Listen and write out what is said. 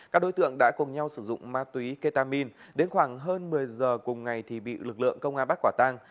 các đối tượng đã cùng nhau sử dụng ma túy ketamin đến khoảng hơn một mươi giờ cùng ngày thì bị lực lượng công an bắt quả tang